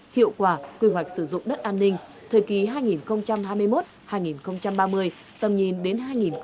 hiệu quả quy hoạch sử dụng đất an ninh thời kỳ hai nghìn hai mươi một hai nghìn ba mươi tầm nhìn đến hai nghìn năm mươi